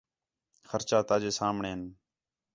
خرچے تا جے سامھݨے ہِن